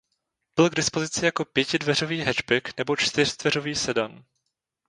Byl k dispozici jako pětidveřový hatchback nebo čtyřdveřový sedan.